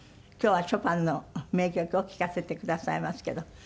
今日はショパンの名曲を聴かせてくださいますけど。